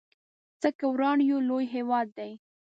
څه که وران يو لوی هيواد دی